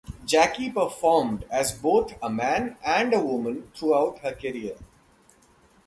Jackie performed as both a man and a woman throughout her career.